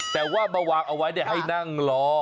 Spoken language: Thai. แต่ว่ามาวางเอาไว้ให้นั่งรอ